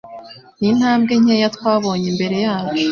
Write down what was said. n'intambwe nkeya twabonye imbere yacu